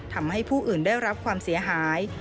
ทำให้ผู้อื่นได้รับความเสียหาย